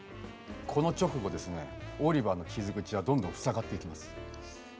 この直後ですねオリバの傷口はどんどん塞がっていきます。